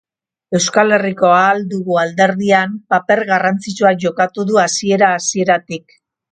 Euskal Herriko Ahal Dugu alderdian paper garrantzitsua jokatu du hasiera-hasieratik.